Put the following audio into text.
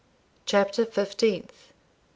CHAPTER FIFTEENTH.